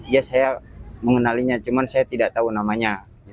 ya saya mengenalinya cuma saya tidak tahu namanya